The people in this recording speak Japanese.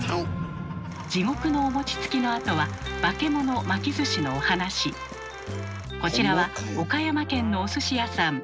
「地獄のお餅つき」のあとはこちらは岡山県のお寿司屋さん。